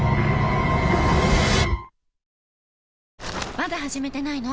まだ始めてないの？